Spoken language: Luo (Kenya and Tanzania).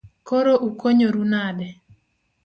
Koro ukonyoru nade?